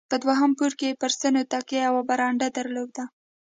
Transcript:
په دوهم پوړ کې یې پر ستنو تکیه، یوه برنډه درلوده.